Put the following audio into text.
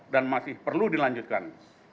dan masih perlu dilanjutkan